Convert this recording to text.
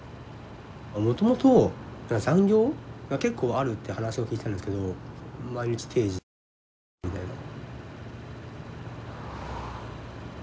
もともと残業が結構あるって話を聞いてたんですけど毎日定時でほぼ帰るみたいな。